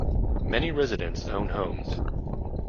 Many residents own homes.